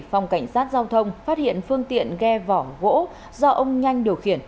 phòng cảnh sát giao thông phát hiện phương tiện ghe vỏ gỗ do ông nhanh điều khiển